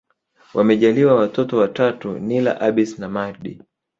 Wamejaliwa watoto watatu Nyla Abbas na Mahdi